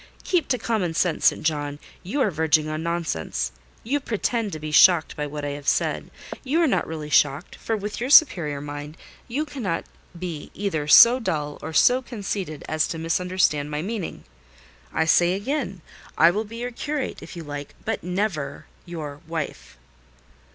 "Keep to common sense, St. John: you are verging on nonsense. You pretend to be shocked by what I have said. You are not really shocked: for, with your superior mind, you cannot be either so dull or so conceited as to misunderstand my meaning. I say again, I will be your curate, if you like, but never your wife."